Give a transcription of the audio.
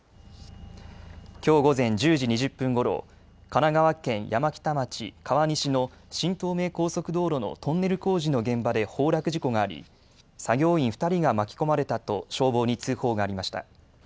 きょう午前１０時２０分ごろ神奈川県山北町川西の新東名高速道路のトンネル工事の現場で崩落事故があり作業員２人が巻き込まれたと消防に通報がありました。